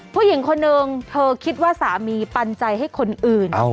ผู้หญิงคนนึงเธอคิดว่าสามีปันใจให้คนอื่น